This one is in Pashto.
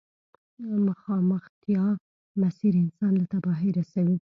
مخامختيا مسير انسان له تباهي رسوي.